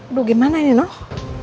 aduh gimana ini nuh